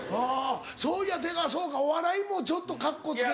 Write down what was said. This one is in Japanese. そういや出川そうかお笑いもちょっとカッコつけ。